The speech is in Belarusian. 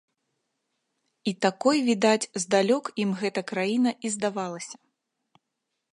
І такой, відаць, здалёк ім гэта краіна і здавалася.